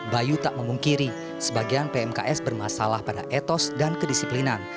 bayu tak memungkiri sebagian pmks bermasalah pada etos dan kedisiplinan